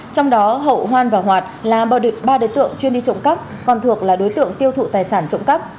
trong đó hậu hoan và hoạt là ba đối tượng chuyên đi trộm cắp còn thược là đối tượng tiêu thụ tài sản trộm cắp